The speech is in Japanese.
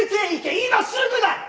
今すぐだ！